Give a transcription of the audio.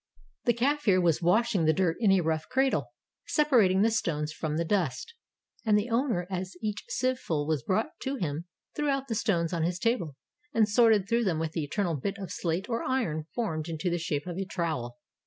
The Kafir was washing the dirt in a rough cradle, separating the stones from the dust, and the owner, as each sieveful was brought to him, threw out the stones on his table and sorted them through with the eternal bit of slate or iron formed into the shape of a trowel.